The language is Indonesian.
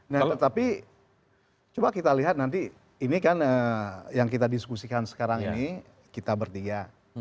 nah tetapi coba kita lihat nanti ini kan yang kita diskusikan sekarang ini kita bertiga